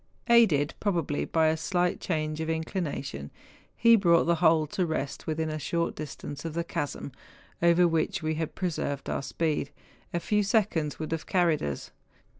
Aided probably by a slight change of inclination, he brought the whole to rest within a short distance of the chasm, over which, had we pre¬ served our speed, a few seconds would have carried us.